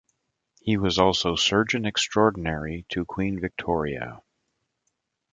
He was also surgeon-extraordinary to Queen Victoria.